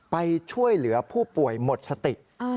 ไปช่วยเหลือผู้ป่วยหมดสติ